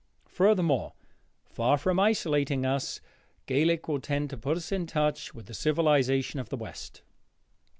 Furthermore, far from isolating us, Gaelic will tend to put us in touch with the civilization of the West.